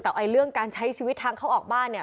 แต่เรื่องการใช้ชีวิตทางเข้าออกบ้านเนี่ย